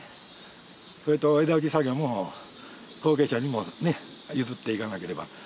それと枝打ち作業も後継者にもね譲っていかなければ。